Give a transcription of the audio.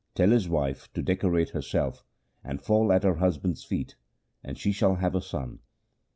Tell his wife to decorate herself and fall at her husband's feet, and she shall have a son.'